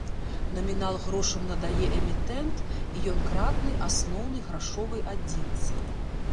Намінал грошам надае эмітэнт і ён кратны асноўнай грашовай адзінцы.